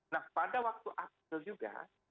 nah pada waktu april juga